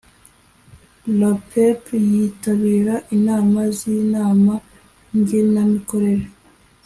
rapep yitabira inama z inama ngenamikorere